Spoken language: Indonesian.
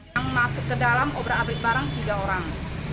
yang masuk ke dalam obrak abrik barang tiga orang